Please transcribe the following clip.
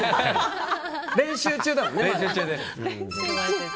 練習中だもんね。